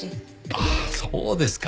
ああそうですか。